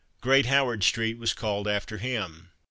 Great Howard street was called after him.